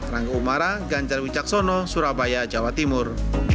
rangga umara ganjar wijaksono surabaya jawa timur